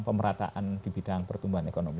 pemerataan di bidang pertumbuhan ekonomi